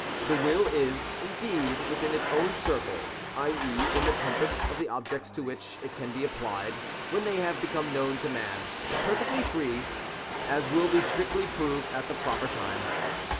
The Will is, indeed, within its own circle — i.e. in the compass of the objects to which it can be applied when they have become known to man — perfectly free; — as will be strictly proved at the proper time.